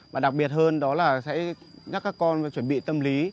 và đặc biệt hơn đó là sẽ nhắc các con chuẩn bị tâm lý